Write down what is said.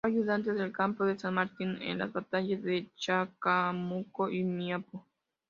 Fue ayudante de campo de San Martín en las batallas de Chacabuco y Maipú.